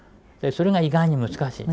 それが意外に難しい。